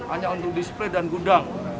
hanya untuk display dan gudang